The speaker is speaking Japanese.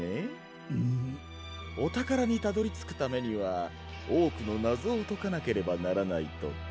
おたからにたどりつくためにはおおくのなぞをとかなければならないとか。